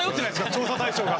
調査対象が。